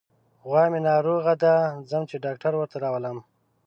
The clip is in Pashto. غوا مې ناروغه ده، ځم چې ډاکټر ورته راولم.